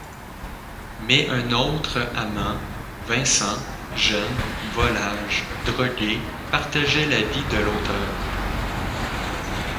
Mais un autre amant, Vincent, jeune, volage, drogué partageait la vie de l’auteur.